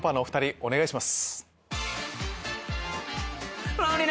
お願いします。